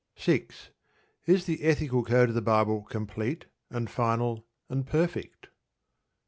6. Is the ethical code of the Bible complete, and final, and perfect?